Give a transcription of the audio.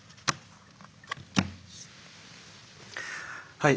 はい。